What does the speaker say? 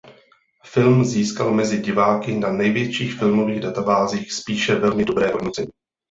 Film získal mezi diváky na největších filmových databázích spíše velmi dobré hodnocení.